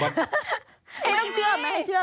ให้ต้องเชื่อมไหม